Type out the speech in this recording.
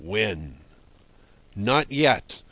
When?" "Not yet.